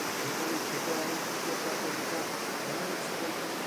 Nachází se na severozápadě Dačic.